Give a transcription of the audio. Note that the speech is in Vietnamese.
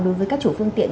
đối với các chủ phương tiện